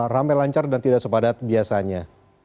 ramai lancar dan tidak sepadat biasanya